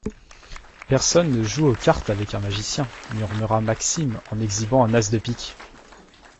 Personne ne joue aux cartes avec un magicien, murmura Maxime en exhibant un as de pique.